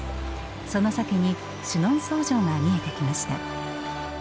その先にシュノンソー城が見えてきました。